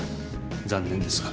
残念ですが。